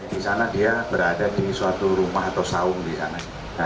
di sana dia berada di suatu rumah atau saung di sana